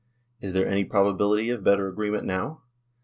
Is there any pro bability of better agreement now?